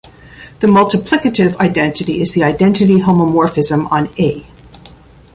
The multiplicative identity is the identity homomorphism on "A".